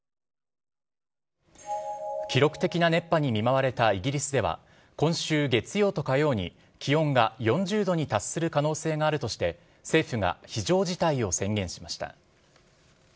記録的な熱波に見舞われたイギリスでは、今週月曜と火曜に気温が４０度に達する可能性があるとして、政府が非常事態を宣言しました。